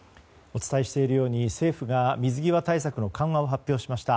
お伝えしているように政府が水際対策の緩和を発表しました。